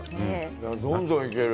どんどんいける。